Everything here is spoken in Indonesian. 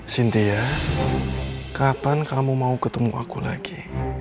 cynthia kapan kamu mau ketemu aku lagi